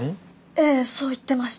ええそう言ってましたけど。